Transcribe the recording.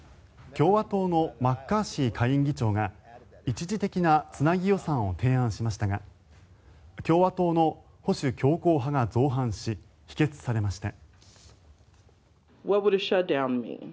共和党のマッカーシー下院議長が一時的なつなぎ予算を提案しましたが共和党の保守強硬派が造反し否決されました。